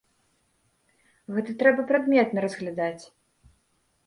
Гэта трэба прадметна разглядаць!